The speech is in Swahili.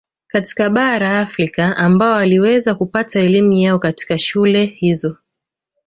Katika bara la Afrika ambao waliweza kupata elimu yao katika shule hizo